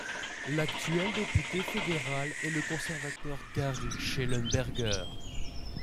L'actuel député fédéral est le conservateur Gary Schellenberger.